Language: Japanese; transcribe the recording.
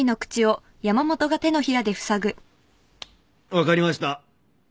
分かりました。